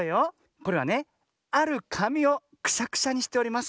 これはねあるかみをクシャクシャにしております。